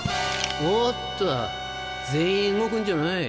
おっと全員動くんじゃない。